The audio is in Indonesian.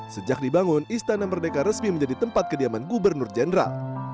sejak dibangun istana merdeka resmi menjadi tempat kediaman gubernur jenderal